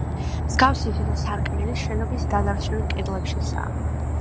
მსგავსი თითო სარკმელი შენობის დანარჩენ კედლებშიცაა.